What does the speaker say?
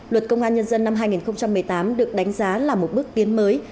luật công an nhân dân năm hai nghìn một mươi tám được đánh giá là một bước tiến mới